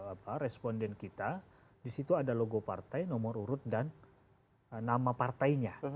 kepada responden kita di situ ada logo partai nomor urut dan nama partainya